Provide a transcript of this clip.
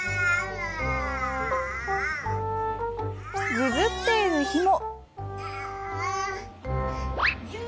ぐずっている日も。